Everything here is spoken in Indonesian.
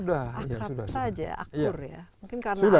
akrab saja akur ya